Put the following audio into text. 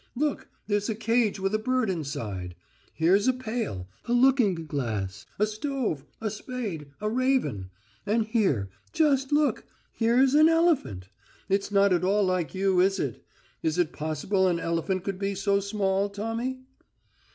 Look, there's a cage with a bird inside; here's a pail, a looking glass, a stove, a spade, a raven.... And here, just look, here's an elephant. It's not at all like you, is it? Is it possible an elephant could be so small, Tommy?"